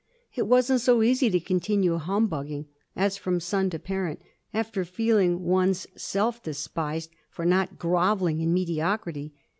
It wasn't so easy to continue humbugging as from son to parent after feeling one's self despised for not grovelling in mediocrity.